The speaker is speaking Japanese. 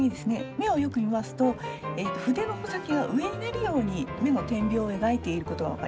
目をよく見ますと筆の穂先が上になるように目の点描を描いていることが分かります。